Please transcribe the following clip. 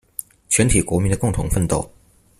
全體國民的共同奮鬥